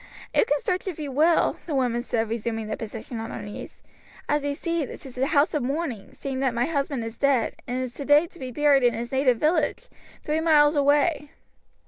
"You can search if you will," the woman said, resuming the position on her knees. "As you see, this is a house of mourning, seeing that my husband is dead, and is today to be buried in his native village, three miles away."